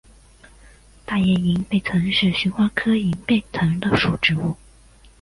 大叶银背藤是旋花科银背藤属的植物。